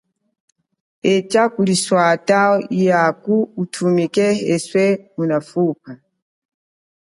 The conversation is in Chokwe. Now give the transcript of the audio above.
Echa kuliswata, yako uthumike muwana yeswe unafupa.